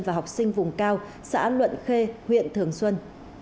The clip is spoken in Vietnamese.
và học sinh vùng cao xã luận khê huyện thường xuân